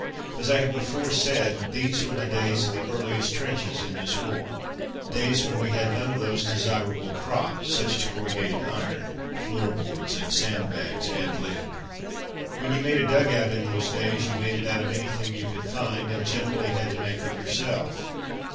As I have before said, these were the days of the earliest trenches in this war: days when we had none of those desirable "props," such as corrugated iron, floorboards, and sand bags ad lib. [Illustration: "ullo! 'Arry"] When you made a dug out in those days you made it out of anything you could find, and generally had to make it yourself.